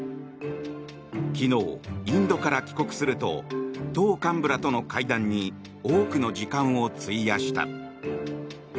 昨日、インドから帰国すると党幹部らとの会談に多くの時間を費やした。